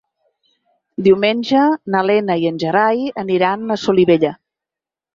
Diumenge na Lena i en Gerai aniran a Solivella.